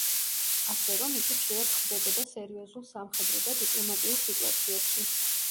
ასე რომ იგი ხშირად ხვდებოდა სერიოზულ სამხედრო და დიპლომატიურ სიტუაციებში.